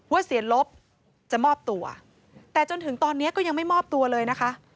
เสียลบจะมอบตัวแต่จนถึงตอนนี้ก็ยังไม่มอบตัวเลยนะคะ